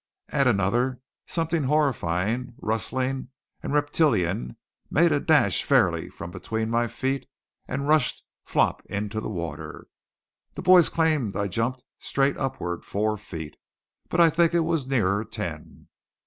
At another something horrifying, rustling, and reptilian made a dash fairly from between my feet, and rushed flop into the water. The boys claimed I jumped straight upward four feet; but I think it was nearer ten.